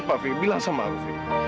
apa fik bilang sama aku fik